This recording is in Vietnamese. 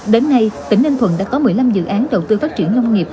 đến nay tỉnh ninh thuận đã có một mươi năm dự án đầu tư phát triển nông nghiệp